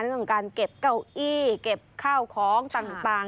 ในการเก็บเก้าอี้เก็บข้าวของต่าง